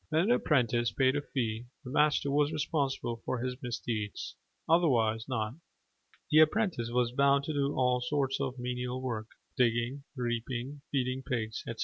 When an apprentice paid a fee, the master was responsible for his misdeeds: otherwise not. The apprentice was bound to do all sorts of menial work digging, reaping, feeding pigs, etc.